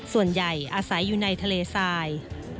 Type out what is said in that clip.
ส่วนใหญ่อาศัยอยู่ในทะเลทราย